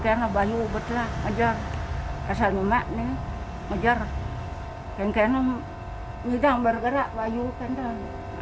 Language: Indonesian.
karena bayu betul aja kesal makna ngejar kenteng hidang bergerak bayu kendali